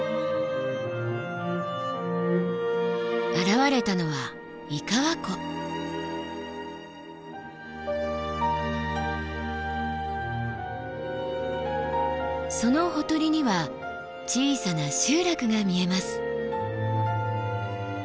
現れたのはそのほとりには小さな集落が見えます。